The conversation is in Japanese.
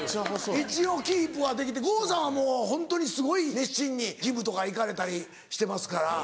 一応キープはできて郷さんはもうホントにすごい熱心にジムとか行かれたりしてますから。